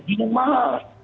ini juga mahal